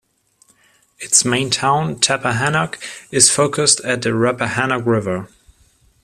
Its main town, Tappahanock, is focused at the Rappahanock River.